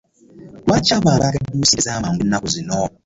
Lwaki abantu baagadde nnyo ssente ezamangu enaku zino.